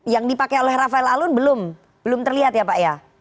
yang dipakai oleh rafael alun belum belum terlihat ya pak ya